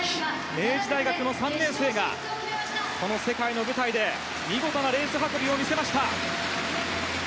明治大学の３年生がこの世界の舞台で見事なレース運びを見せました。